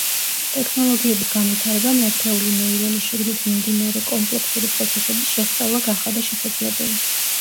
ტექნოლოგიების განვითარებამ ერთეული ნეირონის შიგნით მიმდინარე კომპლექსური პროცესების შესწავლა გახადა შესაძლებელი.